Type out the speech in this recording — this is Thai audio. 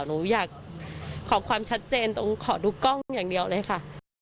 หนูอยากขอความชัดเจนตรงขอดูกล้องอย่างเดียวเลยค่ะ